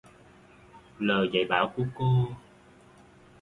Lời dạy bảo của cô